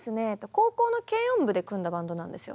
高校の軽音部で組んだバンドなんですよ。